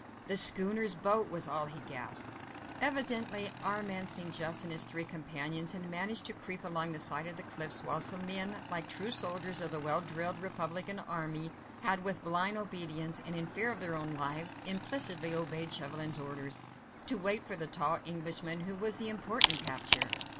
"The schooner's boat!" was all he gasped. Evidently Armand St. Just and his three companions had managed to creep along the side of the cliffs, whilst the men, like true soldiers of the well drilled Republican army, had with blind obedience, and in fear of their lives, implicitly obeyed Chauvelin's orders—to wait for the tall Englishman, who was the important capture.